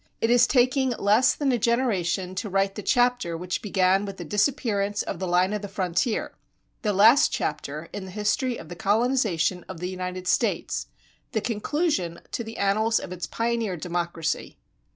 It is taking less than a generation to write the chapter which began with the disappearance of the line of the frontier the last chapter in the history of the colonization of the United States, the conclusion to the annals of its pioneer democracy.